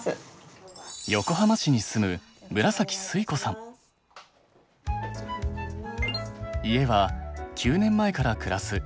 横浜市に住む家は９年前から暮らす４ＬＤＫ。